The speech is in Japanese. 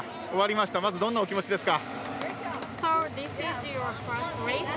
まずどんなお気持ちですか。